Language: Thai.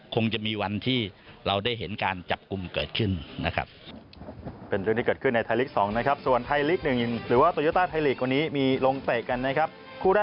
คงจะมีวันที่เราได้เห็นการจับกุมมา